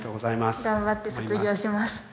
頑張って卒業します。